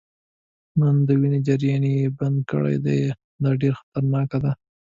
آن د وینې جریان يې بند کړی دی، دا ډیره خطرناکه ده.